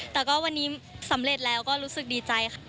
แต่ก็วันนี้สำเร็จแล้วก็รู้สึกดีใจค่ะ